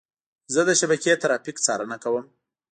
زه د شبکې ترافیک څارنه کوم.